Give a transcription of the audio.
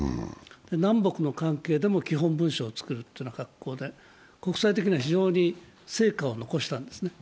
南北の関係でも基本文書を作るというような格好で国際的には非常に成果を残したんですね。